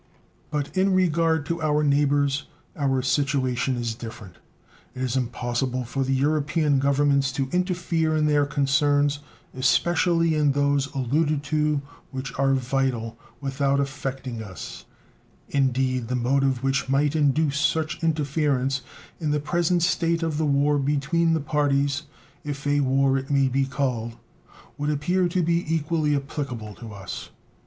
But in regard to our neighbors our situation is different. It is impossible for the European Governments to interfere in their concerns, especially in those alluded to, which are vital, without affecting us; indeed, the motive which might induce such interference in the present state of the war between the parties, if a war it may be called, would appear to be equally applicable to us.